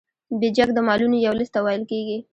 بیجک د مالونو یو لیست ته ویل کیږي.